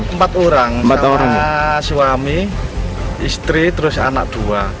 empat orang suami istri terus anak dua